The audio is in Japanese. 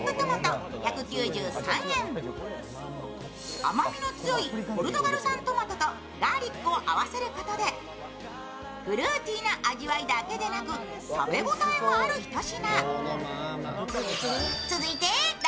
甘みの強いポルトガル産トマトとガーリックを合わせることでフルーティーな味わいだけでなく食べ応えもあるひと品。